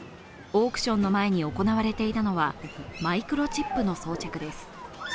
オークションの前に行われていたのは、マイクロチップの装着です。